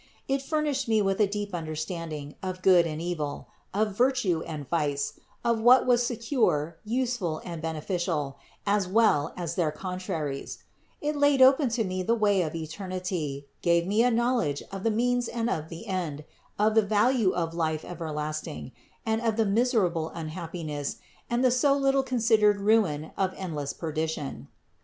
It furnished me with a deep understand ing of good and evil, of virtue and vice, of what was secure, useful and beneficial, as well as their contraries; it laid open to me the way of eternity, gave me a knowl edge of the means and of the end, of the value of life everlasting, and of the miserable unhappiness and the so little considered ruin of endless perdition.